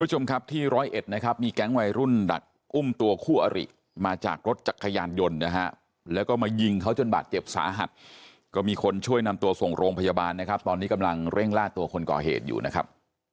คุณผู้ชมครับที่ร้อยเอ็ดนะครับมีแก๊งวัยรุ่นดักอุ้มตัวคู่อริมาจากรถจักรยานยนต์นะฮะแล้วก็มายิงเขาจนบาดเจ็บสาหัสก็มีคนช่วยนำตัวส่งโรงพยาบาลนะครับตอนนี้กำลังเร่งล่าตัวคนก่อเหตุอยู่นะครับ